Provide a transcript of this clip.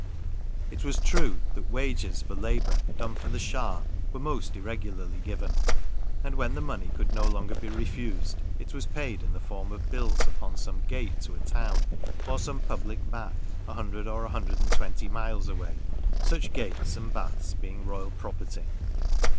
It was true that wages for labour done for the Schah were most irregularly given. And when the money could no longer be refused, it was paid in the form of bills upon some gate to a town, or some public bath, a hundred or a hundred and twenty miles away, such gates and baths being royal property.